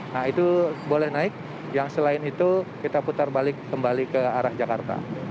nah itu boleh naik yang selain itu kita putar balik kembali ke arah jakarta